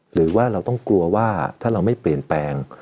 หรือว่าเราต้องกลัวว่าถ้าเราไม่เปลี่ยนแปลง